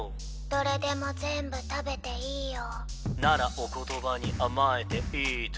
どれでも全部食べていいよならお言葉に甘えてｅａｔａｌｌ